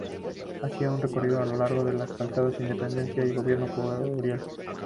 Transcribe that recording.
Hacía su recorrido a lo largo de las calzadas Independencia y Gobernador Curiel.